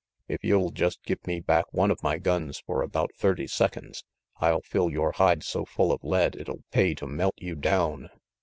If you'll just give me back one of my guns for about thirty seconds I'll fill your hide so full of lead it'll pay to melt you down."